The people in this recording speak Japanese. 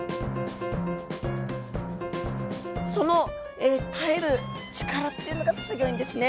その耐える力っていうのがすギョいんですね。